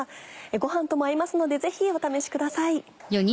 ご飯とも合いますのでぜひお試しください。